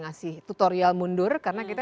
ngasih tutorial mundur karena kita